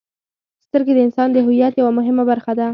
• سترګې د انسان د هویت یوه مهمه برخه ده.